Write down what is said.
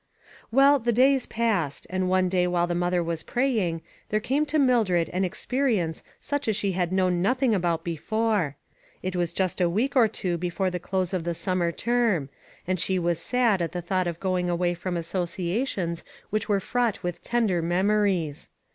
Well, the days passed, and one day while the mother was praying, there came to Mildred an experience such as she had known nothing about before. It was just a week or two before the close of the sum mer term, and she was sad at the thought of going away from associations which were fraught with tender memories.